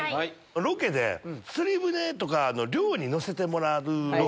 ロケで釣り船とかの漁に乗せてもらう。